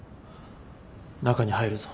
中に入るぞ。